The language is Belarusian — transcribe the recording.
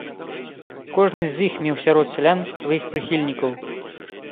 Кожны з іх меў сярод сялян сваіх прыхільнікаў.